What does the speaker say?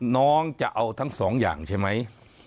น้องจะเอาทั้งสองอย่างใช่ไหม